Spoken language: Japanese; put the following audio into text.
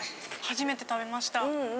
初めて食べました。